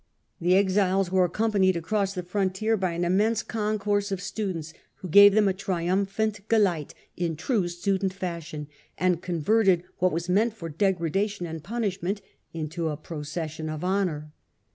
The exiles were accompanied across the frontier by an immense concourse of students, who gave them a triumphant Geleit in true student fashion, and converted what was meant for degradation and punishment into* a procession of honour.